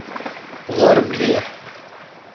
Ɣeṛ mliḥ.